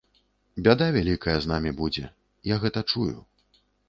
Бяда вялікая з намі будзе, я гэта чую.